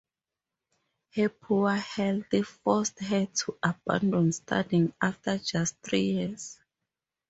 Her poor health forced her to abandon studying after just three years.